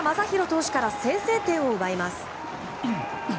投手から先制点を奪います。